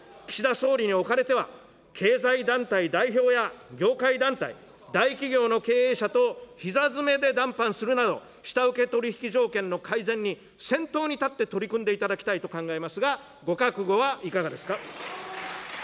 総理におかれては、経済団体代表や業界団体、大企業の経営者とひざ詰めで談判するなど、下請け取引条件の改善に先頭に立って取り組んでいただきたいと考えますが、ご覚悟はいかがですか。